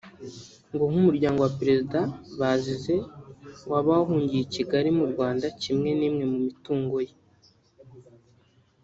ngo nk’umuryango wa Perezida Bazize waba wahungiye i Kigali mu Rwanda kimwe n’imwe mu mitungo ye